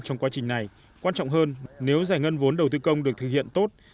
trong quá trình này quan trọng hơn nếu giải ngân vốn đầu tư công được thực hiện tốt